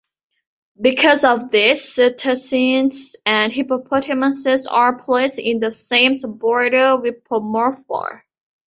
Because of this, cetaceans and hippopotamuses are placed in the same suborder, Whippomorpha.